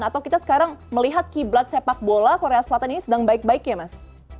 atau kita sekarang melihat kiblat sepak bola korea selatan ini sedang baik baik ya mas